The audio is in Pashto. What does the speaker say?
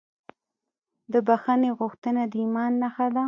د بښنې غوښتنه د ایمان نښه ده.